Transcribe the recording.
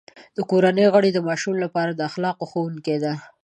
د کورنۍ غړي د ماشوم لپاره د اخلاقو ښوونکي دي.